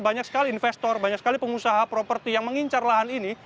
banyak sekali investor banyak sekali pengusaha properti yang mengincar lahan ini